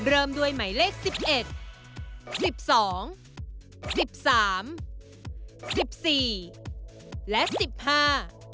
เริ่มด้วยหมายเลขสิบเอ็ดสิบสองสิบสามสิบสี่และสิบห้า